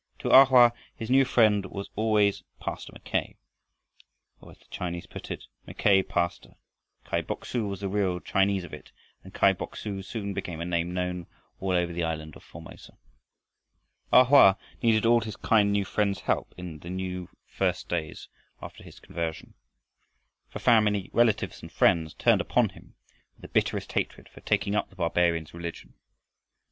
To A Hoa his new friend was always Pastor Mackay, or as the Chinese put it, Mackay Pastor, Kai Bok su was the real Chinese of it, and Kai Bok su soon became a name known all over the island of Formosa. A Hoa needed all his kind new friend's help in the first days after his conversion. For family, relatives, and friends turned upon him with the bitterest hatred for taking up the barbarian's religion.